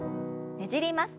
ねじります。